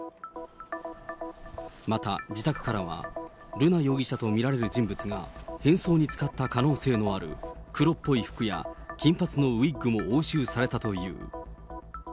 また、自宅からは瑠奈容疑者と見られる人物が変装に使った可能性のある黒っぽい服や金髪のウィッグも押収されたという。